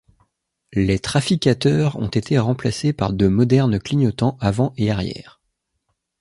Les trafficateurs ont été remplacés par de modernes clignotants avant et arrière.